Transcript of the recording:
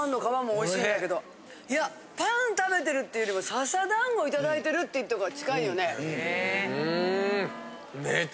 ・おいしい・いやパン食べてるっていうよりも笹だんごいただいてるって言ったほうが近いよね。